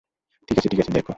ঠিক আছে, ঠিক আছে, দেখো।